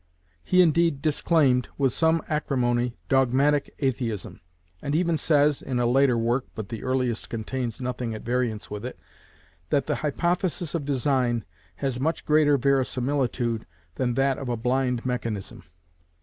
He indeed disclaimed, with some acrimony, dogmatic atheism, and even says (in a later work, but the earliest contains nothing at variance with it) that the hypothesis of design has much greater verisimilitude than that of a blind mechanism.